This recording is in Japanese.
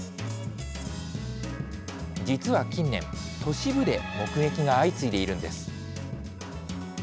実は近年、都市部で目撃が相次いでいるんです。